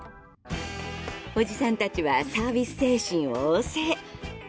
おじさんたちはサービス精神旺盛。